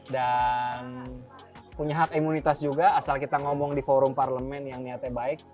dan punya hak imunitas juga asal kita ngomong di forum parlemen yang niatnya baik